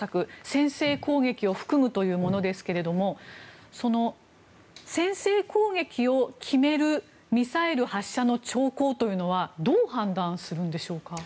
先制攻撃を含むというものですけれども先制攻撃を決めるミサイル発射の兆候というのはどう判断するんでしょうか。